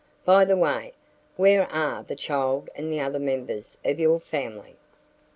By the way where are the child and the other members of your family?"